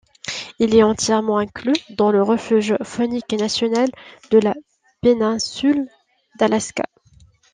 Il est entièrement inclus dans le refuge faunique national de la Péninsule d'Alaska.